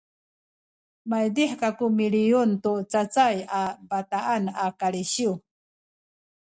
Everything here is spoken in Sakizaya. maydih kaku miliyun tu cacayay a bataan a kalisiw